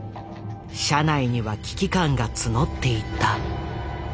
社内には危機感が募っていった。